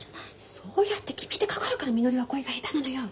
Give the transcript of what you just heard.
そうやって決めてかかるからみのりは恋が下手なのよ。